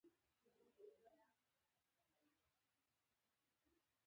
د سیاسي مرکزیت پرضد مقاومت هغه څه دي.